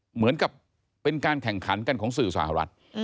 เหมือนกับเป็นการแข่งขันกันของสื่อสหรัฐ